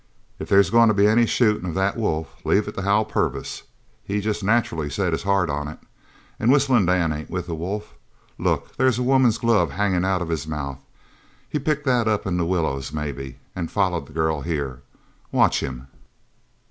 "If there's goin' to be any shootin' of that wolf leave it to Hal Purvis. He's jest nacherally set his heart on it. An' Whistlin' Dan ain't with the wolf. Look! there's a woman's glove hangin' out of his mouth. He picked that up in the willows, maybe, an' followed the girl here. Watch him!"